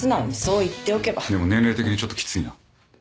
でも年齢的にちょっときついな。